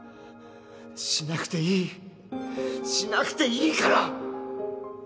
しなくていいしなくていいから！